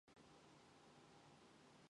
Гэтэл тэр охин нэг л өөр.